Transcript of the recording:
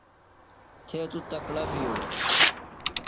تھے تُوۡ تکڑہ بِھیڑ.